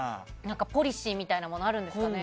ポリシーみたいなものあるんですかね？